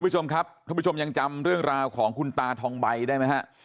คุณผู้ชมครับท่านผู้ชมยังจำเรื่องราวของคุณตาทองใบได้ไหมฮะ